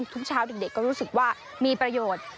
ทุกเช้าเด็กก็รู้สึกว่ามีประโยชน์